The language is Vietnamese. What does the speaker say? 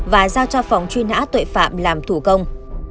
và giao cho phòng truy nã tội phạm làm thủ công